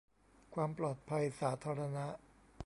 ความปลอดภัยสาธารณะ